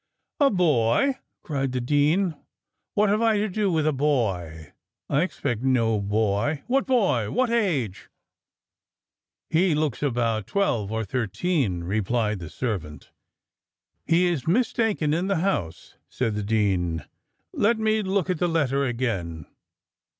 "A boy!" cried the dean: "what have I to do with a boy? I expect no boy. What boy? What age?" "He looks about twelve or thirteen," replied the servant. "He is mistaken in the house," said the dean. "Let me look at the letter again."